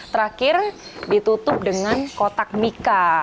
terakhir ditutup dengan kotak mika